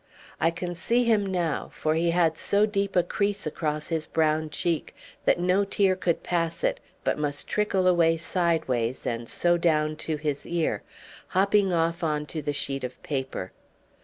I can see him now, for he had so deep a crease across his brown cheek that no tear could pass it, but must trickle away sideways and so down to his ear, hopping off on to the sheet of paper.